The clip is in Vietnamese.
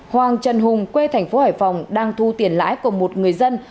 hoàng trần hùng quê tp hải phòng đang thu tiền lãi của một người dân